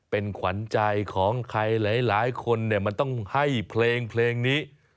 เป็นขวัญใจของใครหลายคนเนี่ยมันต้องให้เพลงนี้